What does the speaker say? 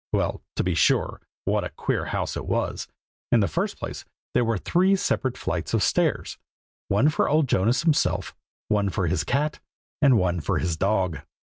Well, to be sure, what a queer house it was! in the first place, there were three separate flights of stairs, one for old Jonas himself, one for his cat, and one for his dog.